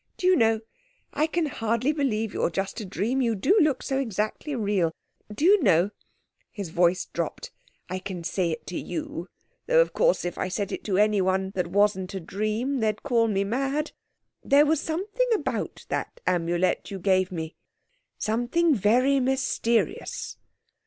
Do you know—I can hardly believe you're just a dream, you do look so exactly real. Do you know..." his voice dropped, "I can say it to you, though, of course, if I said it to anyone that wasn't a dream they'd call me mad; there was something about that Amulet you gave me—something very mysterious."